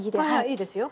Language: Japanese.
いいですよ。